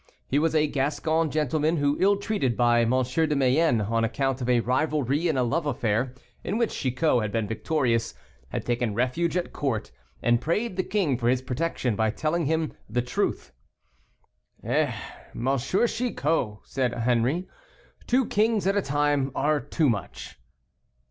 He was a Gascon gentleman, who, ill treated by M. de Mayenne on account of a rivalry in a love affair, in which Chicot had been victorious, had taken refuge at court, and prayed the king for his protection by telling him the truth. "Eh, M. Chicot," said Henri, "two kings at a time are too much."